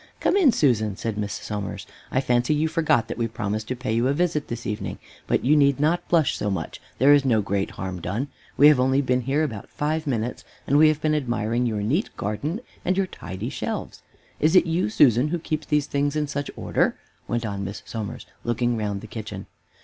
"Come in, Susan," said Miss Somers, "I fancy you forgot that we promised to pay you a visit this evening; but you need not blush so much, there is no great harm done; we have only been here about five minutes and we have been admiring your neat garden and your tidy shelves. Is it you, Susan, who keeps these things in such nice order?" went on Miss Somers, looking round the kitchen.